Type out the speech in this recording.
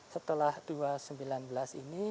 setelah dua ribu sembilan belas ini